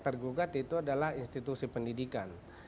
tergugat itu adalah institusi pendidikan